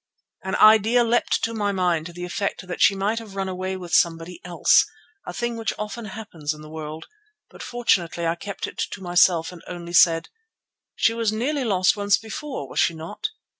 An idea leapt to my mind to the effect that she might have run away with somebody else, a thing which often happens in the world. But fortunately I kept it to myself and only said, "She was nearly lost once before, was she not?"